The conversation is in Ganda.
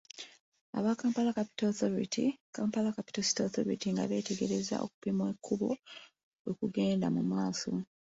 Aba Kampala Capital City Authority nga beetegereza okupima ekkubo bwe kugenda mu maaso.